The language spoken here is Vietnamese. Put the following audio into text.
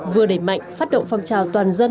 vừa đẩy mạnh phát động phong trào toàn dân